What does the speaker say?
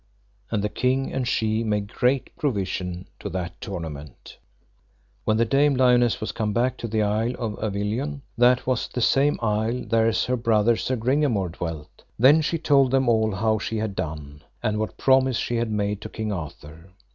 And the king and she made great provision to that tournament. When Dame Lionesse was come to the Isle of Avilion, that was the same isle thereas her brother Sir Gringamore dwelt, then she told them all how she had done, and what promise she had made to King Arthur.